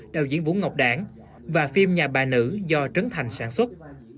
đạo diễn vũ ngọc đảng và phim nhà bà nữ do trấn thành sản xuất